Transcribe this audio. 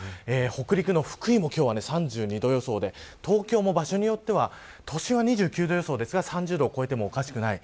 北陸の福井も今日は３２度予想で東京も場所によっては都心は２９度予想ですが３０度を超えてもおかしくない